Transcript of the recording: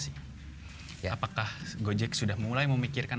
the dua ratus tiga puluh dua mendoza sedang memikirkan